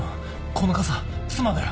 この傘妻だよ。